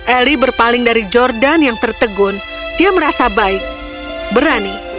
elie berpaling dari jordan yang tertegun dia merasa baik berani